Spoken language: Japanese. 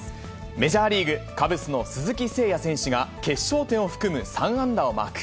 メジャーリーグ・カブスの鈴木誠也選手が、決勝点を含む３安打をマーク。